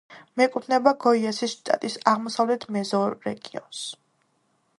მიეკუთვნება გოიასის შტატის აღმოსავლეთ მეზორეგიონს.